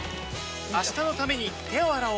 明日のために手を洗おう